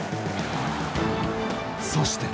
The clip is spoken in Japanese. そして。